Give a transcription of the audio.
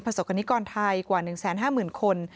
ประสบคณิกรไทยกว่า๑๕๐๐๐๐คน